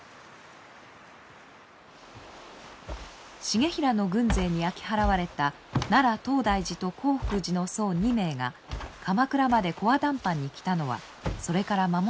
重衡の軍勢に焼き払われた奈良東大寺と興福寺の僧２名が鎌倉まで強談判に来たのはそれから間もなくでした。